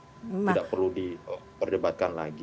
tidak perlu diperdebatkan lagi